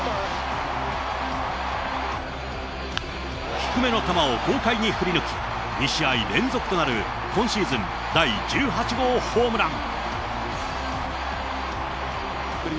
低めの球を豪快に振り抜き、２試合連続となる今シーズン第１８号ホームラン。